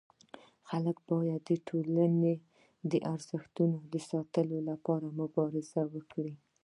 خلک باید د ټولني د ارزښتونو د ساتلو لپاره مبارزه وکړي.